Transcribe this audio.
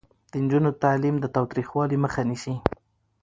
د نجونو تعلیم د تاوتریخوالي مخه نیسي.